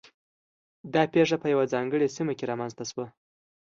دا پېښه په یوه ځانګړې سیمه کې رامنځته شوه.